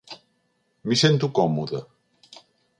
M'hi sento còmode.